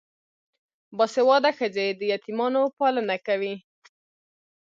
باسواده ښځې د یتیمانو پالنه کوي.